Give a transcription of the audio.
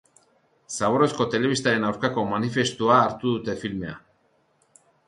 Zaborrezko telebistaren aurkako manifestua hartu dute filmea.